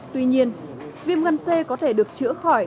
tuy nhiên viêm gan c có thể được chữa khỏi